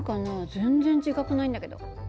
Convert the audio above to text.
全然自覚ないんだけど。